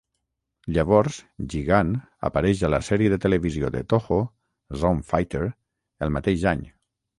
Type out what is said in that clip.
Llavors, Gigan apareix a la sèrie de televisió de Toho "Zone Fighter" el mateix any.